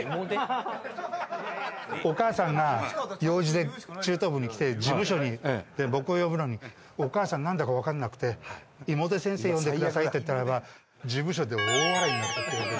お母さんが用事で中等部に来て事務所で僕を呼ぶのにお母さんなんだかわかんなくて「イモデ先生呼んでください」って言ったらば事務所で大笑いになって。